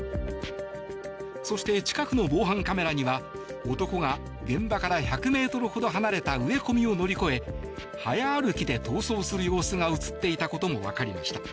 そして、近くの防犯カメラには男が現場から１００ｍほど離れた植え込みを乗り越え早歩きで逃走する様子が映っていたことも分かりました。